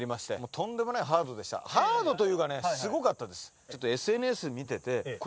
とんでもないハードでしたハードというかねすごかったです。